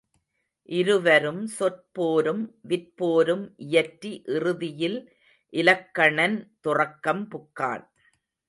இருவரும் சொற்போரும் விற்போரும் இயற்றி இறுதியில் இலக்கணன் துறக்கம் புக்கான்.